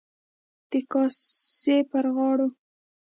د کاسای پر غاړو.